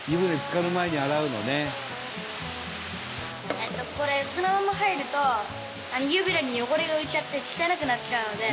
えっとこれそのまま入ると湯船に汚れが浮いちゃって汚くなっちゃうので。